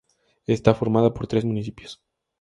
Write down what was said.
Está formada por tres municipios.